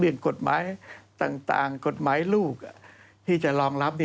กฎหมายต่างกฎหมายลูกที่จะรองรับ